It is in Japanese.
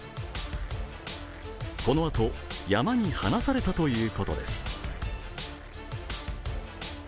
このあと、山に放されたということです。